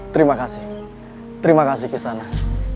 terima kasih terima kasih kisah anak